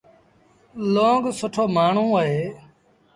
لونگ سُٽو مآڻهوٚݩ اهي۔